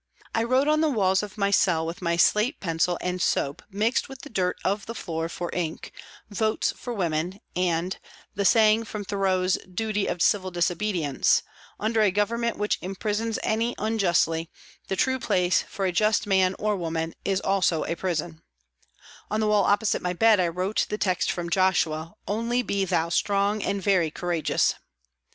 I wrote on the walls of my cell with my slate pencil and soap mixed with the dirt of the floor for ink, " Votes for Women," and the saying from Thoreau's Duty of Civil Disobe dience " Under a Government which imprisons any unjustly, the true place for a just man (or woman) is also a prison "; on the wall opposite my bed I wrote the text from Joshua, " Only be thou strong and very courageous."